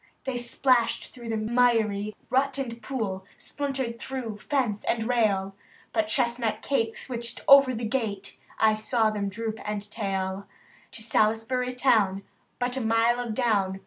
They splashed through miry rut and pool, — SpUntered through fence and rail, But chestnut Kate switched over the gate, — I saw them droop and tail. To Salisbury town— but a mile of down.